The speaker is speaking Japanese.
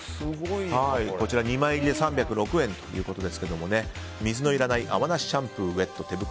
２枚入りで３０６円ということですが水のいらない泡なしシャンプーウェット手袋